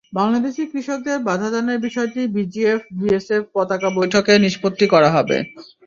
বাংলাদেশি কৃষকদের বাধা দানের বিষয়টি বিজিবি-বিএসএফ পতাকা বৈঠকে নিষ্পত্তি করা হবে।